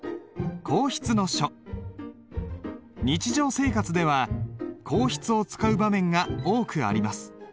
日常生活では硬筆を使う場面が多くあります。